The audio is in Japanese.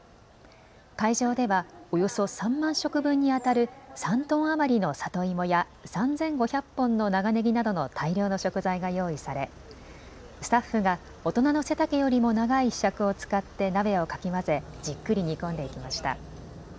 会場ではおよそ３万食分にあたる３トン余りの里芋や３５００本の長ネギなどの大量の食材が用意されスタッフが大人の背丈よりも長いひしゃくを使って鍋をかき混ぜじっくり煮込んでいきました。